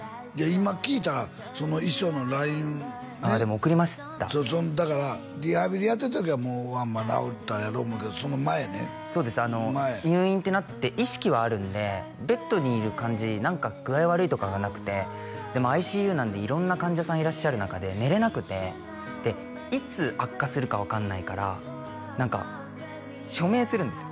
今聞いたらその遺書のＬＩＮＥねああでも送りましたそうだからリハビリやってた時はもう治ったやろう思うけどその前ねそうです入院ってなって意識はあるんでベッドにいる感じ何か具合悪いとかがなくてでもＩＣＵなんで色んな患者さんいらっしゃる中で寝れなくてでいつ悪化するか分かんないから何か署名するんですよ